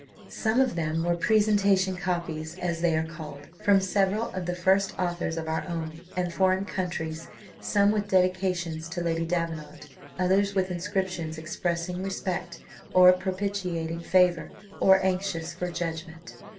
Some of them were presentation copies, as they are called, from several of the first authors of our own, and foreign countries; some with dedications to Lady Davenant; others with inscriptions expressing respect or propitiating favour, or anxious for judgment.